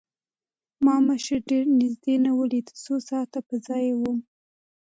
ما مشر ډېر د نزدې نه وليد څو ساعت پۀ ځائې ووم